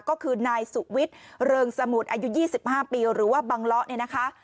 ก็คือนายสุวิทย์เริงสมุทรอายุ๒๕ปีหรือว่าบังเลาะเนี่ยนะคะ